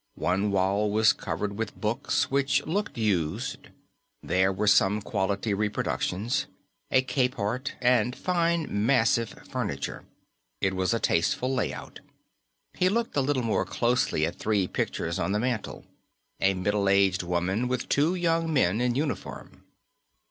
One wall was covered with books which looked used; there were some quality reproductions, a Capehart, and fine, massive furniture. It was a tasteful layout. He looked a little more closely at three pictures on the mantel: a middle aged woman and two young men in uniform.